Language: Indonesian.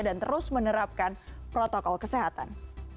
dan terus menerapkan protokol kesehatan